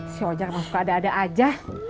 si ojak mah suka ada ada aja